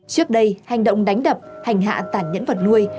trước đây hành động đánh đập hành hạ tản nhẫn vật nuôi